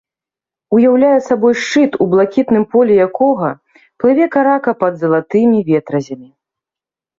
Уяўляе сабой шчыт, у блакітным поле якога плыве карака пад залатымі ветразямі.